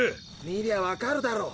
見りゃわかるだろ。